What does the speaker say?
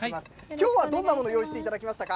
きょうはどんなものを用意していただきましたか？